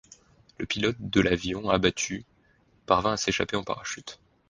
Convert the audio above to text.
Le pilote de l'avion abattu parvint à s'échapper en parachute.